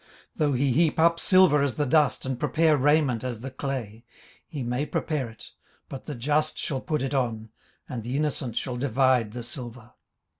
18:027:016 Though he heap up silver as the dust, and prepare raiment as the clay; 18:027:017 He may prepare it, but the just shall put it on, and the innocent shall divide the silver.